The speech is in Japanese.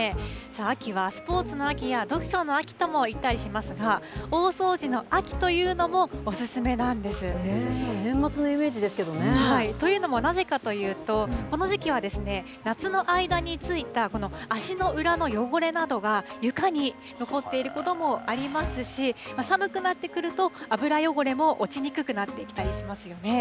秋はスポーツの秋や読書の秋とも言ったりしますが、大掃除の秋と年末のイメージですけどね。というのも、なぜかというと、この時期は夏の間についたこの足の裏の汚れなどが、床に残っていることもありますし、寒くなってくると、油汚れも落ちにくくなってきたりしますよね。